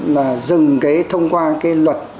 là dừng cái thông qua cái luật